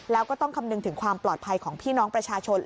แล้วก็ต้องคำนึงถึงความปลอดภัยของพี่น้องประชาชน